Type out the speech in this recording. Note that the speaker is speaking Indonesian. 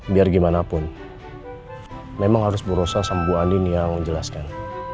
biar gimana pun memang harus berusaha sama bu anin yang menjelaskan